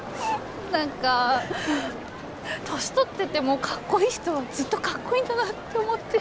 なんか年取っててもかっこいい人はずっとかっこいいんだなと思って。